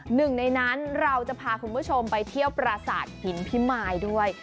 หนึ่งในนั้นเราจะพาคุณผู้ชมไปเที่ยวปราสาทหินพิมายด้วย